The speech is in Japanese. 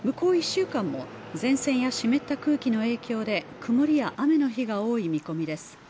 １週間も前線や湿った空気の影響で曇りや雨の日が多い見込みです